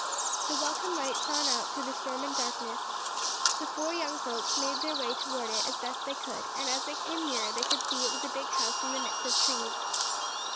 The welcome light shone out through the storm and darkness. The four young folks made their way toward it as best they could, and, as they came nearer they could see that it was a big house in the midst of trees.